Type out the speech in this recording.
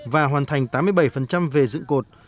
và hoàn thành tám mươi bảy về dựng cột